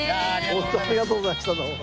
ホントにありがとうございましたどうも。